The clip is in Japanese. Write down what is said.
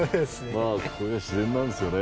まあこれが自然なんすよね。